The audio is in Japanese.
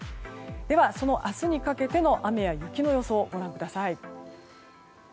では、その明日にかけての雨や雪の予想、ご覧ください。